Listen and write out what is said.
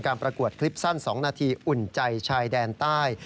ประกวดคลิปสั้น๒นาทีอุ่นใจชายแดนใต้